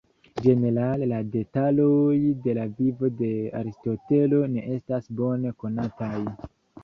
Ĝenerale, la detaloj de la vivo de Aristotelo ne estas bone konataj.